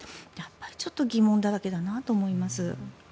ちょっと疑問だらけだなと思います。